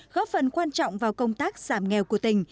góp phần quan trọng vào công tác giảm nghèo của tỉnh